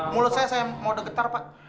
mulut saya mau degetar pak